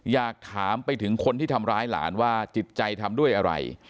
อยากถามไปถึงคนที่ทำร้ายหลานว่าจิตใจทำด้วยอะไร